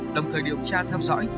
đồng thời điều tra tham dõi